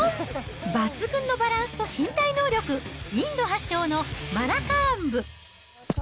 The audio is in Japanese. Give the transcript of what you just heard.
抜群のバランスと身体能力、インド発祥のマラカーンブ。